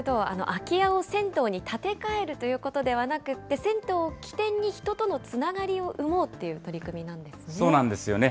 空き家を銭湯に建て替えるということではなくて、銭湯を起点に人とのつながりを生もうっていう取り組みなんですね。